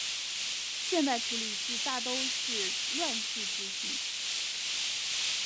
现代处理器大都是乱序执行。